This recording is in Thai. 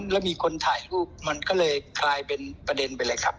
แล้วมีคนถ่ายรูปมันก็เลยกลายเป็นประเด็นไปเลยครับ